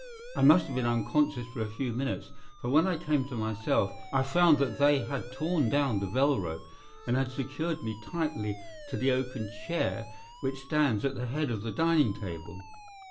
I must have been unconscious for a few minutes, for when I came to myself, I found that they had torn down the bell rope, and had secured me tightly to the oaken chair which stands at the head of the dining table.